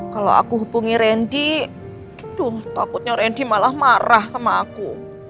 kalau aku hubungi randy aduh takutnya randy malah marah sama aku